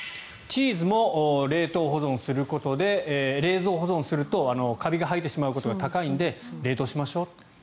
チーズも冷凍保存することで冷蔵保存すると、カビが生えてしまう可能性が高いので冷凍しましょうと。